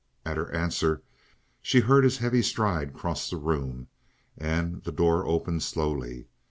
At her answer she heard his heavy stride cross the room, and the door opened slowly.